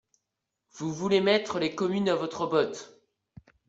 Vous voulez mettre les communes à votre botte.